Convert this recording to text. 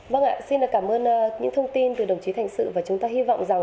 vâng ạ xin cảm ơn những thông tin từ đồng chí thành sự và chúng ta hy vọng rằng